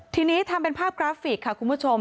ทีนี้ทำเป็นภาพกราฟิกค่ะคุณผู้ชม